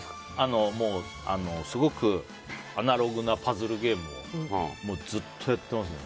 すごくアナログなパズルゲームをずっとやっていますね。